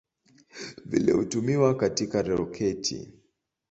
Vile hutumiwa katika roketi.